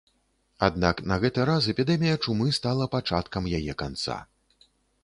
Аднак на гэты раз эпідэмія чумы стала пачаткам яе канца.